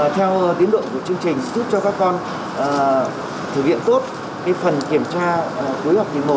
theo tiến đội của chương trình giúp cho các con thử viện tốt phần kiểm tra cuối học thứ một